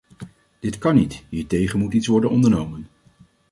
Dit kan niet, hiertegen moet iets worden ondernomen!